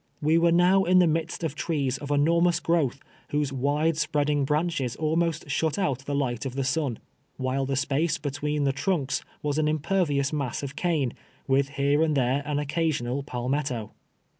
AVe were now in the midst of trees of enormous growth, whose wide spread inir branches almost shut out the li^ht of the sun, while the space between the trunks was an impervi ous mass of cane, with here and there an occasional pabuetto.